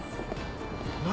何？